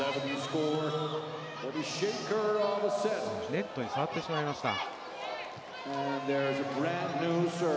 ネットに触ってしまいました。